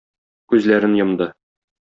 Күзләрен йомды.